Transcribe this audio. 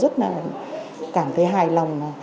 và rất là cảm thấy hài lòng